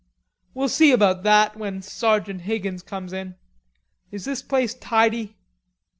"We'll see about that when Sergeant Higgins comes in. Is this place tidy?"